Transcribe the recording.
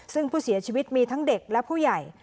ซึ่งผู้เสียชีวิตมีทั้งเด็กและผู้ใหญ่